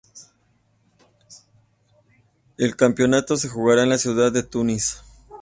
El campeonato se jugará en la ciudad de Tunis.